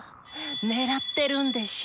狙ってるんでしょ？